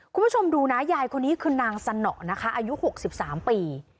คุณผู้ชมดูนะยายคนนี้คือนางสนอนะคะอายุ๖๓ปี